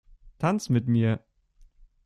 Tanz mit mir!